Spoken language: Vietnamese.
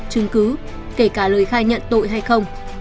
chứng cứ kể cả lời khai nhận tội hay không